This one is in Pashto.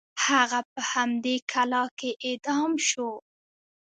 هغه په همدې کلا کې اعدام شو.